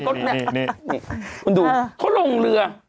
คุณดูเขาลงเรือ